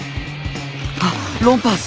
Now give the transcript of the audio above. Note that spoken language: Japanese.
あっロンパース！